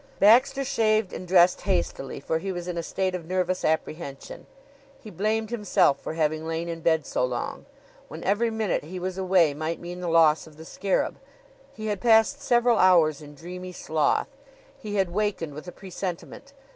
Baxter shaved and dressed hastily, for he was in state of nervous apprehension. He blamed himself for having lain in bed so long. When every minute he was away might mean the loss of the scarab, he had passed several hours in dreamy sloth. He had wakened with a presentiment.